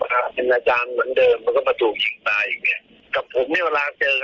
พูดดีเนี่ยแต่ว่าเขาเนี่ยผมว่าเขาใช้เงินเยอะใช้เงินเปลือง